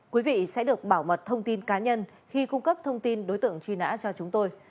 quý vị sẽ được bảo mật thông tin cá nhân khi cung cấp thông tin đối tượng truy nã cho chúng tôi